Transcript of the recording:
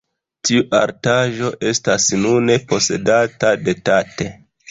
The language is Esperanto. Tiu artaĵo estas nune posedata de Tate.